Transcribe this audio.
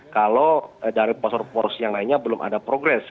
kalau dari pasar pasar yang lainnya belum ada progres